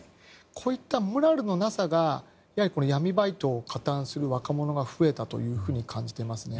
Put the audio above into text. こういったモラルのなさが闇バイトを加担する若者が増えたというふうに感じていますね。